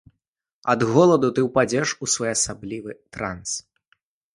Ад голаду ты ўпадаеш у своеасаблівы транс.